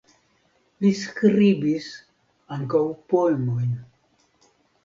Li skribis ankaŭ poemojn.